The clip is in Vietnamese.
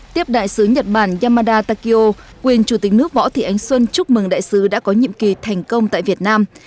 tiếp đại sứ nhật bản yamada takio quyền chủ tịch nước võ thị ánh xuân chúc mừng đại sứ đã có nhiệm kỳ thành công tại việt nam